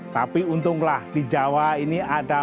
tapi untunglah di jawa ini ada